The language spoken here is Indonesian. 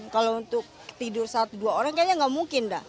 kalau untuk tidur satu dua orang kayaknya nggak mungkin dah